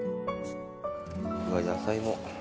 うわ野菜も。